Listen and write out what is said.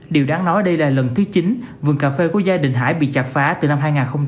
điều đáng nói đây là lần thứ chín vườn cà phê của gia đình hải bị chặt phá từ năm hai nghìn một mươi ba